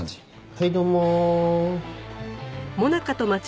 はいどうも。